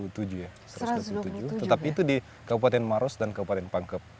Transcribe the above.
tetapi itu di kabupaten maros dan kabupaten pangkep